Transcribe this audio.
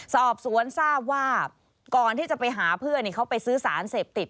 สอบสวนทราบว่าก่อนที่จะไปหาเพื่อนเขาไปซื้อสารเสพติด